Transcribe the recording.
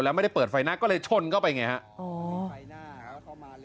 แล้วไม่ได้เปิดไฟหน้าก็เลยชนเข้าไปไงฮะ